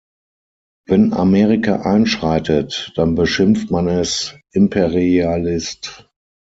Wenn Amerika einschreitet, dann beschimpft man es Imperialist.